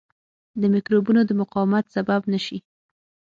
د مکروبونو د مقاومت سبب نه شي.